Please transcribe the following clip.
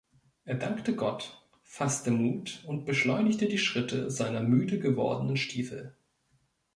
Er dankte Gott, faßte Mut und beschleunigte die Schritte seiner müde gewordenen Stiefel.